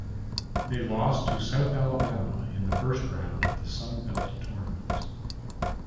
They lost to South Alabama in the first round of the Sun Belt Tournament.